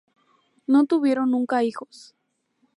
No tuvieron nunca hijos.